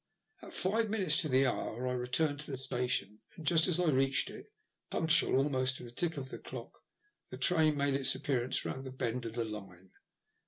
At five minutes to the hour I returned to the station, and, just as I reached it, punctual almost to the tick of the clock, the train made its appearance round the bend of the line.